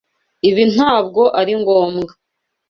Ibi ntabwo ari ngombwa.